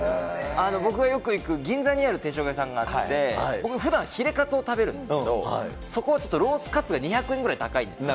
僕がよく行く、銀座にある定食屋さんがあって、僕、ふだんヒレカツを食べるんですけど、そこはちょっとロースカツが２００円ぐらい高いんですよ。